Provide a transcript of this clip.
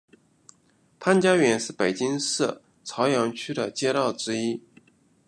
潘家园是北京市朝阳区的街道之一。